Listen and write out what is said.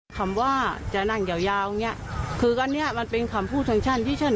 คำว่าจะนั่งยาวเนี่ยคือก็เนี่ยมันเป็นคำพูดทางฉัน